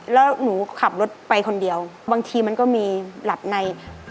แล้วหนูขับรถไปคนเดียวบางทีมันก็มีหลับใน